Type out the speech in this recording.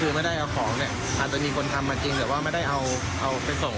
คือไม่ได้เอาของเนี่ยอาจจะมีคนทำมาจริงแต่ว่าไม่ได้เอาไปส่ง